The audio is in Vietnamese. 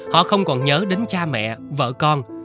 họ không còn nhớ đến cha mẹ vợ con